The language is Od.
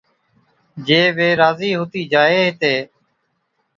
جي وي راضِي ھُتِي جائي ھِتي